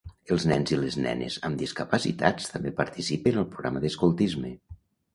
Els nens i les nenes amb discapacitats també participen al programa d'escoltisme.